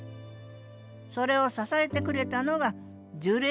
それを支えてくれたのが樹齢